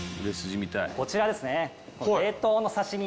こちらですね。